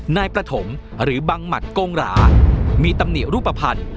นายประถมหรือบังหมัดโกงหรามีตำหนิรูปภัณฑ์